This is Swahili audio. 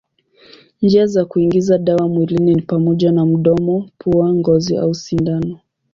Njia za kuingiza dawa mwilini ni pamoja na mdomo, pua, ngozi au sindano.